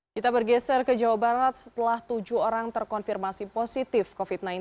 kita bergeser ke jawa barat setelah tujuh orang terkonfirmasi positif covid sembilan belas